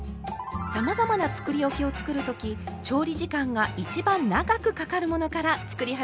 さまざまなつくりおきを作るとき調理時間が一番長くかかるものから作り始めるといいですよ。